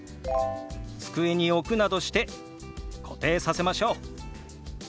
机に置くなどして固定させましょう。